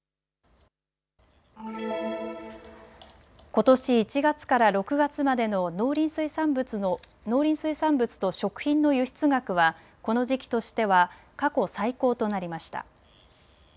ことし１月から６月までの農林水産物と食品の輸出額はこの時期としては過去最高となりました。